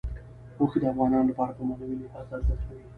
اوښ د افغانانو لپاره په معنوي لحاظ ارزښت لري.